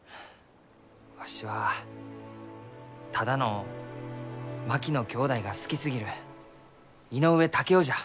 わしはただの槙野きょうだいが好きすぎる井上竹雄じゃ。